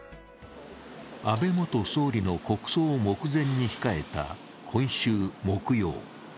安倍元総理の国葬を目前に控えた今週木曜。